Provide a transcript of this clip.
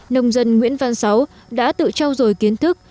nông dân nguyễn văn sáu đã tự trao dồi kiến thức